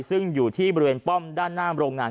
ซึ่งอยู่ที่บริเวณป้อมด้านหน้าโรงงาน